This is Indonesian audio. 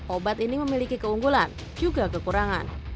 obat ini memiliki keunggulan juga kekurangan